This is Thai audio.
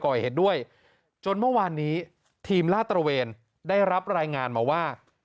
ก่อเหตุด้วยจนเมื่อวานนี้ทีมลาดตระเวนได้รับรายงานมาว่า